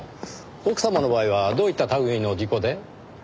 奥様の場合はどういった類いの事故で？